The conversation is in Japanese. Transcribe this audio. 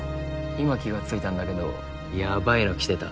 今気が付いたんだけどヤバいの来てた。